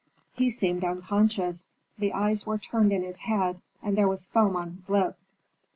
He seemed unconscious; the eyes were turned in his head, and there was foam on his lips.